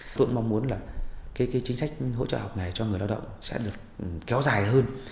tôi cũng mong muốn là cái chính sách hỗ trợ học nghề cho người lao động sẽ được kéo dài hơn